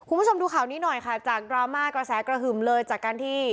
คุณผู้ชมดูข่าวนี้หน่อยค่ะจากดราม่ากระแสกระหึ่มเลยจากการที่